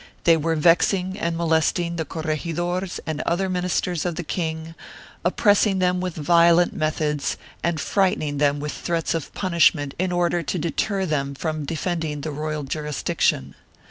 They were vexing and molesting the corregidors and other ministers of the king, oppressing them with violent methods and frightening them with threats of punishment in order to deter them from defending the royal jurisdiction.